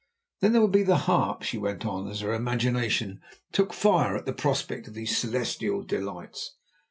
Then there will be the harp," she went on as her imagination took fire at the prospect of these celestial delights.